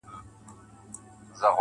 چي څوك تا نه غواړي,